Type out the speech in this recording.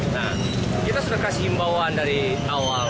nah kita sudah kasih himbauan dari awal